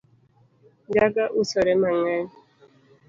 Njaga usore mang'eny